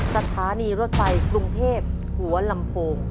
สถานีรถไฟกรุงเทพหัวลำโพง